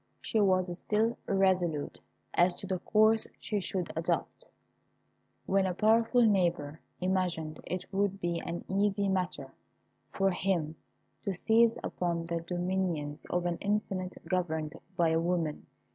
She was still irresolute as to the course she should adopt, when a powerful neighbour imagined it would be an easy matter for him to seize upon the dominions of an infant governed by a woman.